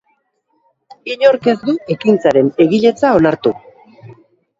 Inork ez du ekintzaren egiletza onartu.